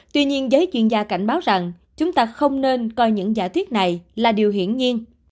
tuy nhiên giới chuyên gia cảnh báo rằng chúng ta không nên coi những giả thuyết này là điều hiển nhiên